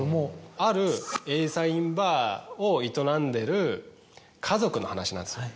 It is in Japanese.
あるＡサインバーを営んでる家族の話なんですよ。